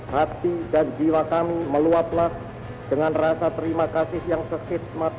hati dan jiwa kami meluatlah dengan rasa terima kasih yang sesismat sesimatnya